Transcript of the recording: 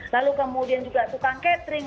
lalu kemudian juga tukang catering